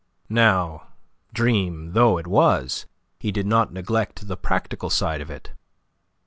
Now, dream though it was, he did not neglect the practical side of it.